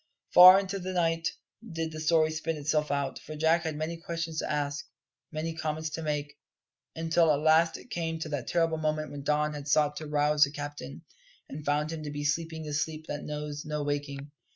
Far into the night did the story spin itself out, for Jack had many questions to ask, many comments to make; until at last it came to that terrible moment when Don had sought to rouse the captain, and found him to be sleeping the sleep that knows no waking.